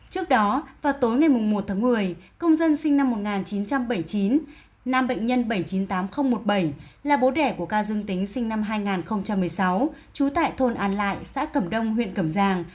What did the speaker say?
trước đó vào tối ngày một tháng một mươi công dân sinh năm một nghìn chín trăm bảy mươi chín nam bệnh nhân bảy mươi chín nghìn một mươi bảy là bố đẻ của ca dương tính sinh năm hai nghìn một mươi sáu chú tại thôn an lại xã cẩm đông huyện cẩm giàng